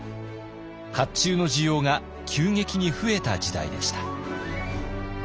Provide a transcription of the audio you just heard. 甲冑の需要が急激に増えた時代でした。